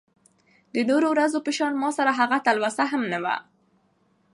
د نورو ورځو په شان ماسره هغه تلوسه هم نه وه .